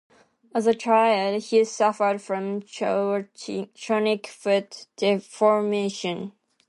As a child, he suffered from chronic foot deformation.